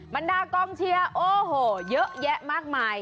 บรรดากองเชียร์โอ้โหเยอะแยะมากมาย